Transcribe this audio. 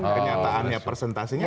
nah kenyataannya persentasenya